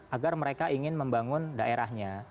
agar mereka ingin membangun daerahnya